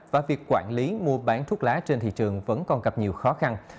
và việc quản lý mua bán thuốc lá trên thị trường vẫn còn gặp nhiều khó khăn